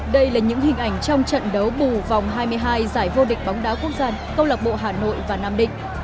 đây là những hình ảnh trong trận đấu bù vòng hai mươi hai giải vô địch bóng đá quốc gia câu lạc bộ hà nội và nam định